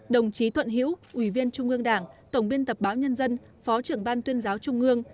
đồng chí thuận hiễu ủy viên trung ương đảng tổng biên tập báo nhân dân phó trưởng ban tuyên giáo trung ương